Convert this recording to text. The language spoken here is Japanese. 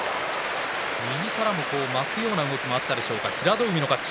右からの巻くような動きもあったでしょうか、平戸海の勝ち。